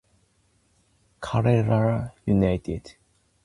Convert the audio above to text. Karela United